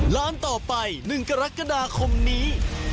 ร้านต่อไป๑กรกฎาคมนี้